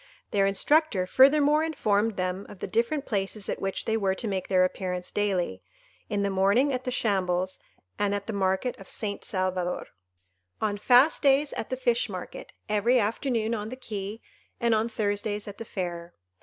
Their instructor furthermore informed them of the different places at which they were to make their appearance daily: in the morning at the shambles, and at the market of St. Salvador; on fast days at the fish market; every afternoon on the quay, and on Thursdays at the fair.